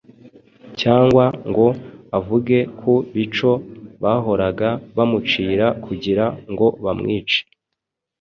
cyangwa ngo avuge ku bico bahoraga bamucira kugira ngo bamwice.